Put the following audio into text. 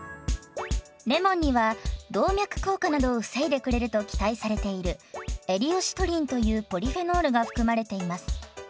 レモンには動脈硬化などを防いでくれると期待されているエリオシトリンというポリフェノールが含まれています。